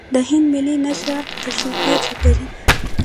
د هند ملي نښه اشوکا چکر دی.